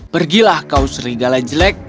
pergilah kau serigala jelek